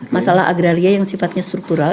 masalah agraria yang sifatnya struktural